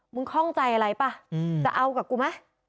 มึงข้องใจอะไรป่ะจะเอากับกูมั้ย